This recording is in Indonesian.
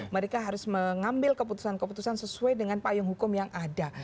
mereka harus mengambil keputusan keputusan sesuai dengan payung hukum yang ada